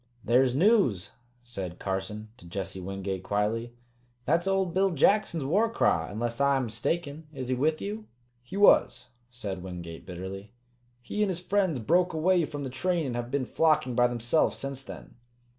"There's news!" said Carson to Jesse Wingate quietly. "That's old Bill Jackson's war cry, unless I am mistaken. Is he with you?" "He was," said Wingate bitterly. "He and his friends broke away from the train and have been flocking by themselves since then."